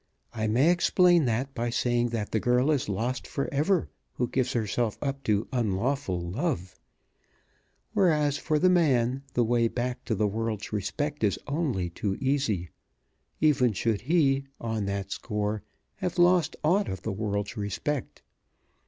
I may explain that by saying that the girl is lost for ever who gives herself up to unlawful love, whereas, for the man, the way back to the world's respect is only too easy, even should he, on that score, have lost aught of the world's respect.